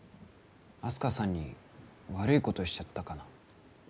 あす花さんに悪いことしちゃったかな